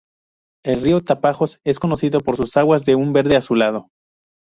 El río Tapajós es conocido por sus aguas de un verde azulado.